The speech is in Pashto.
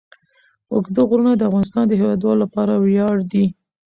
اوږده غرونه د افغانستان د هیوادوالو لپاره ویاړ دی.